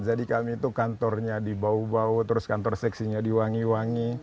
jadi kami itu kantornya di bau bau terus kantor seksinya di wangi wangi